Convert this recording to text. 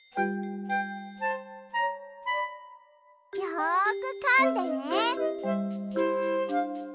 よくかんでね。